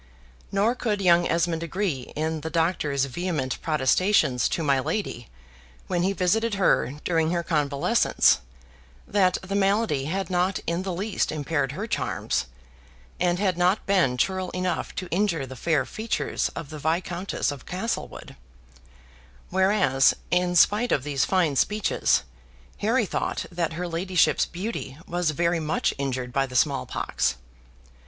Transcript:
Nor could young Esmond agree in the Doctor's vehement protestations to my lady, when he visited her during her convalescence, that the malady had not in the least impaired her charms, and had not been churl enough to injure the fair features of the Viscountess of Castlewood; whereas, in spite of these fine speeches, Harry thought that her ladyship's beauty was very much injured by the small pox.